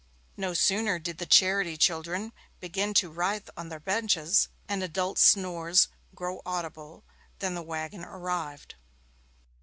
No sooner did the charity children begin to writhe on their benches, and adult snores grow audible, than the waggon arrived.